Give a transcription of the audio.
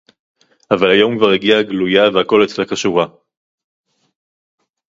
אבל היום כבר הגיעה גלויה והכול אצלה כשורה.